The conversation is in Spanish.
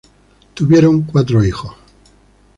Tuvieron cuatro hijo.